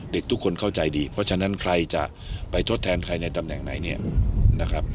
เด็กทุกคนเข้าใจดีเพราะฉะนั้นใครจะไปทดแทนใครในตำแหน่งไหนเนี่ยนะครับ